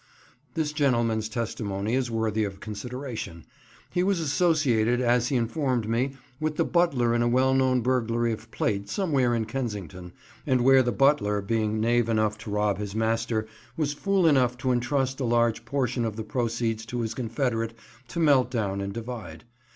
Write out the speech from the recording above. This gentleman's testimony is worthy of consideration. He was associated, as he informed me, with the butler in a well known burglary of plate somewhere in Kensington, and where the butler, being knave enough to rob his master, was fool enough to entrust a large portion of the proceeds to his confederate to melt down and divide.